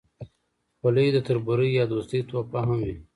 خولۍ د تربورۍ یا دوستۍ تحفه هم وي.